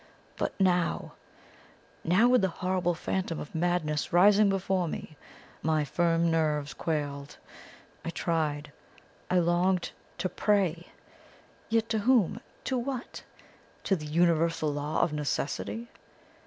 But NOW now with the horrible phantom of madness rising before me my firm nerves quailed. I tried, I longed to PRAY. Yet to whom? To what? To the Universal Law of Necessity?